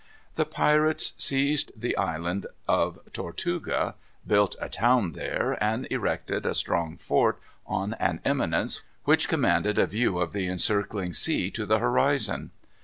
The pirates seized the Island of Tortuga, built a town there, and erected a strong fort on an eminence which commanded a view of the encircling sea to the horizon.